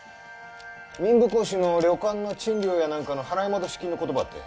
民部公子の旅館の賃料やなんかの払い戻し金のことばってん。